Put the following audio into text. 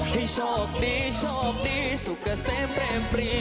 ให้โชคดีโชคดีสุขเกษมแรงปรี